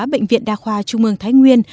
bệnh viện đa khoa trung mương thái nguyên